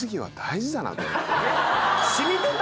染みてた？